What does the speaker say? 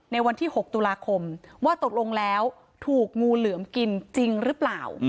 วันที่๖ตุลาคมว่าตกลงแล้วถูกงูเหลือมกินจริงหรือเปล่า